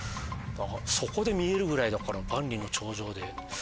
そこで見えるぐらいだから万里の長城で。